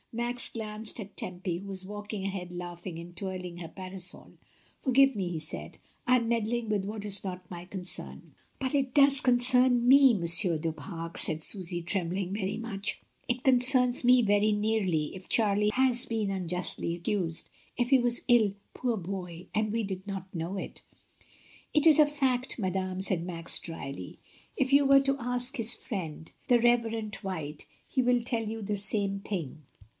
... Max glanced at Tempy, who was walking ahead laugh ing, and twirling her parasol — "Forgive me," he said, "I am meddling with what is not my con cern !" "But it concerns me, Monsieur du Pare," said Susy, trembling very much. "It concerns me very very nearly, if Charlie has been unjustly accused— if he was ill, poor boy, and we did not know it" "It is a fact, madame," said Max, dryly; "if ST. DAMIAN AND OTHERS. 77 you were to ask his friend, the Reverend White, he will tell you the same thing.